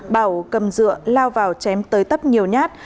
bảo cầm dựa lao vào chém tới tấp nhiều nhát